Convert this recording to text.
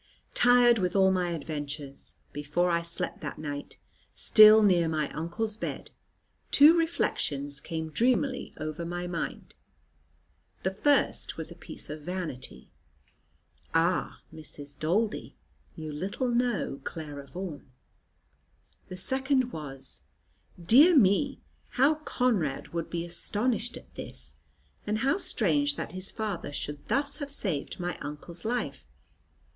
Tired with all my adventures, before I slept that night still near my uncle's bed two reflections came dreamily over my mind. The first was a piece of vanity. "Ah, Mrs. Daldy, you little know Clara Vaughan!" The second was, "Dear me, how Conrad would be astonished at this! And how strange that his father should thus have saved my uncle's life!